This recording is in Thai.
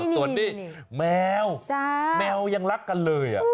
ส่วนนี้แมวแมวยังรักกันเลย